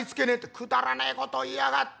「くだらねえこと言いやがった」。